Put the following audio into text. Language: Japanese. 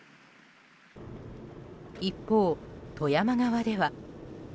一方、富山側では。